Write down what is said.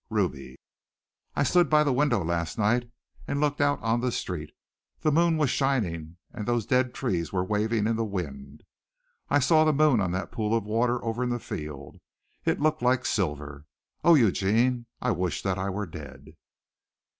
Ruby." "I stood by the window last night and looked out on the street. The moon was shining and those dead trees were waving in the wind. I saw the moon on that pool of water over in the field. It looked like silver. Oh, Eugene, I wish that I were dead."